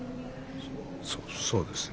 そそうですね。